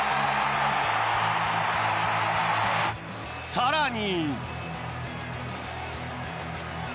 更に。